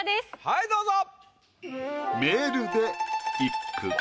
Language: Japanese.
はいどうぞ。